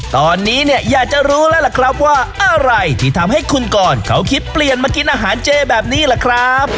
ตอนนี้เนี่ยอยากจะรู้แล้วล่ะครับว่าอะไรที่ทำให้คุณกรเขาคิดเปลี่ยนมากินอาหารเจแบบนี้ล่ะครับ